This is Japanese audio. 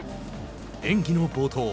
演技の冒頭。